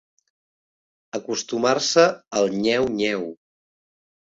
Acostumar-se al nyeu-nyeu.